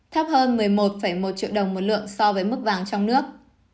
thấp hơn một mươi một một triệu đồng một lượng so với mức vàng trong nước